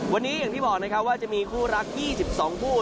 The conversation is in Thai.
วันนี้อย่างที่บอกนะครับว่าจะมีคู่รัก๒๒คู่